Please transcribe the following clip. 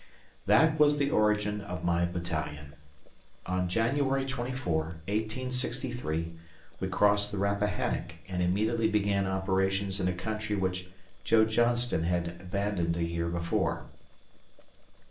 That was the origin of my battalion. On January 24, 1863, we crossed the Rappahannock and immediately began operations in a country which Joe Johnston had abandoned a year before.